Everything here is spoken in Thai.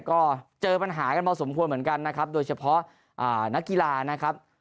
ก็เจอปัญหากันพอสมควรเหมือนกันนะครับโดยเฉพาะนักกีฬานะครับ